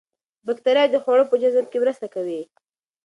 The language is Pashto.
باکتریاوې د خوړو په جذب کې مرسته کوي.